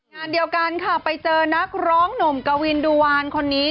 งานเดียวกันค่ะไปเจอนักร้องหนุ่มกวินดูวานคนนี้